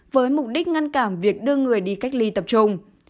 với mục đích ngăn cản việc đưa người đi cách ly tập trung